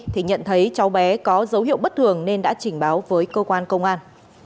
thì nhận thấy cháu bé có dấu hiệu bất thường nên đã trình báo với cơ quan công an